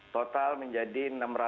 total menjadi enam ratus